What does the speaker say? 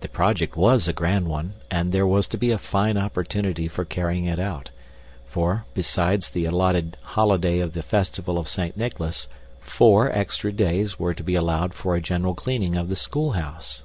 The project WAS a grand one, and there was to be a fine opportunity for carrying it out; for, besides the allotted holiday of the Festival of Saint Nicholas, four extra days were to be allowed for a general cleaning of the schoolhouse.